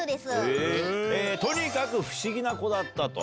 とにかく不思議な子だったと。